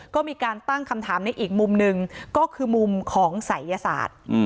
ก็มีการตั้งคำถามในอีกมุมหนึ่งก็คือมุมของศัยยศาสตร์